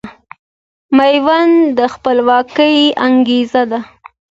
ميوند د خپلواکۍ انګېزه ده